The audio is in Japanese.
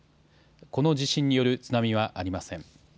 この地震による津波はありません。